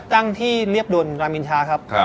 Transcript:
ตั้งที่เรียบด่วนรามอินทาครับ